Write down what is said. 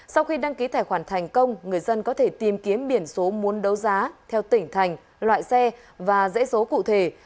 sau khi đăng ký tài khoản thành công người dân có thể tìm kiếm biển số muốn đấu giá theo tỉnh thành loại xe và dễ số cụ thể